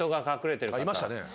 いましたね。